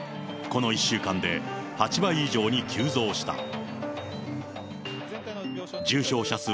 この１週間で８倍以上に急増した。